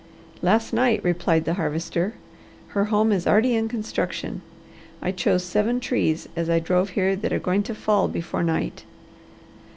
"Last night," replied the Harvester. "Her home is already in construction. I chose seven trees as I drove here that are going to fall before night."